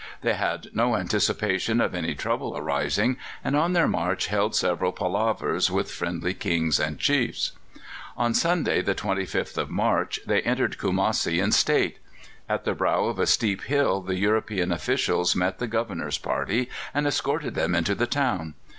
They had no anticipation of any trouble arising, and on their march held several palavers with friendly Kings and chiefs. On Sunday, the 25th of March, they entered Kumassi in state. At the brow of a steep hill the European officials met the Governor's party, and escorted them into the town.